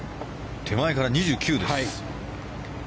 手前から２９です。